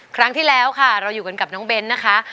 ครั้งที่แล้วครับเราอยู่กับน้องเบนภรรณ